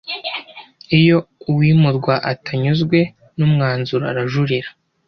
Iyo uwimurwa atanyuzwe n’ umwanzuro arajurira.